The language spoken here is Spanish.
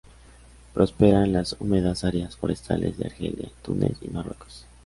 Prospera en las húmedas áreas forestales de Argelia, Túnez y Marruecos.